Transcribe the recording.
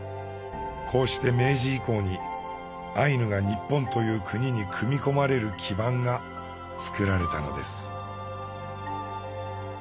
こうして明治以降にアイヌが日本という国に組み込まれる基盤が作られたのです。